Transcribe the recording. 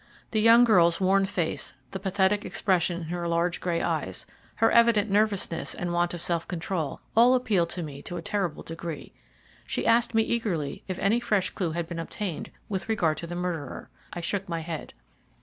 The young girl's worn face, the pathetic expression in her large grey eyes, her evident nervousness and want of self control all appealed to me to a terrible degree. She asked me eagerly if any fresh clue had been obtained with regard to the murderer. I shook my head.